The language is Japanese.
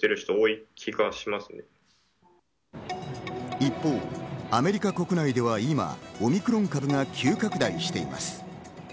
一方、アメリカ国内では今、オミクロン株が急拡大しています。